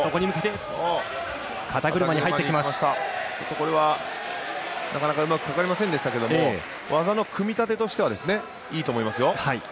これはなかなかうまくかかりませんでしたけど技の組み立てとしてはいいと思いますよ。